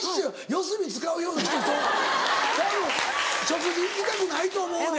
四隅使うような人とたぶん食事行きたくないと思うで。